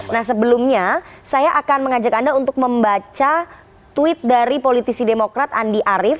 nah sebelumnya saya akan mengajak anda untuk membaca tweet dari politisi demokrat andi arief